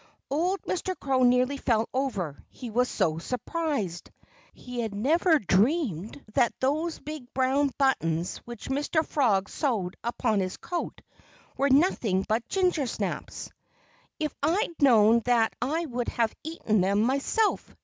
Old Mr. Crow nearly fell over, he was so surprised. He had never dreamed that those big brown buttons, which Mr. Frog had sewed upon his coat, were nothing but gingersnaps. "If I'd known that I would have eaten them myself!"